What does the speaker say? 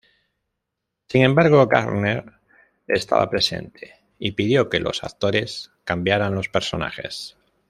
Sin embargo, Gardner estaba presente y pidió que los actores cambiaran los personajes.